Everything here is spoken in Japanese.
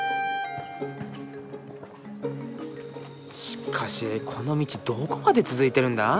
しかしこの道どこまで続いてるんだ？